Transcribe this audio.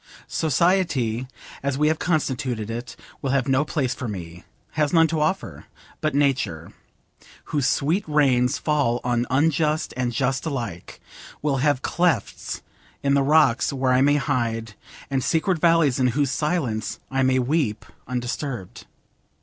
Society, as we have constituted it, will have no place for me, has none to offer; but Nature, whose sweet rains fall on unjust and just alike, will have clefts in the rocks where I may hide, and secret valleys in whose silence I may weep undisturbed.